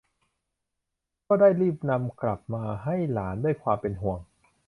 ก็ได้รีบนำกลับมาให้หลานด้วยความเป็นห่วง